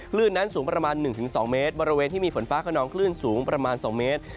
คลื่นนั้นสูงประมาณ๑๒เมตรบริเวณที่มีฝนฟ้าขนองคลื่นสูงประมาณ๒เมตร